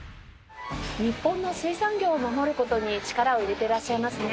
日本の水産業を守る事に力を入れていらっしゃいますね。